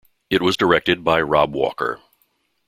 It was directed by Rob Walker.